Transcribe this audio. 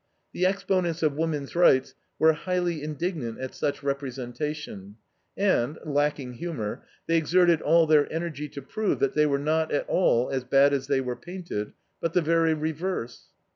The exponents of woman's rights were highly indignant at such representation, and, lacking humor, they exerted all their energy to prove that they were not at all as bad as they were painted, but the very reverse.